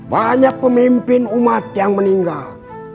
banyak pemimpin umat yang meninggal